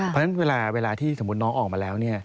เพราะฉะนั้นเวลาที่สมมุติน้องออกมาแล้ว